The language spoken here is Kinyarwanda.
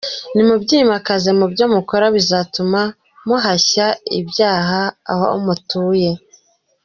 Ni mu byimakaza mu byo mukora bizatuma muhashya ibyaha aho mutuye.